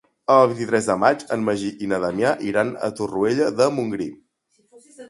El vint-i-tres de maig en Magí i na Damià iran a Torroella de Montgrí.